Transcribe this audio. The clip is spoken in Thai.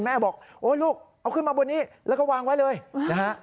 แม่บอกโอ๊ยลูกเอาขึ้นมาบนนี้แล้วก็วางไว้เลยนะฮะ